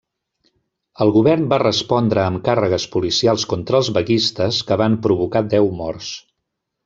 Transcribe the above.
El govern va respondre amb càrregues policials contra els vaguistes que van provocar deu morts.